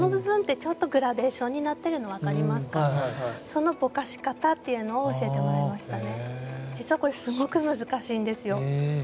そのぼかし方っていうのを教えてもらいましたね。